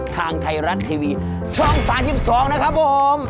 ทางไทยรัฐทีวีช่อง๓๒นะครับผม